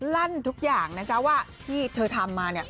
ลั่นทุกอย่างนะจ๊ะว่าที่เธอทำมาเนี่ย